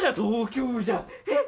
えっ！